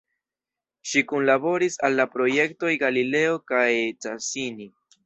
Ŝi kunlaboris al la projektoj Galileo kaj Cassini.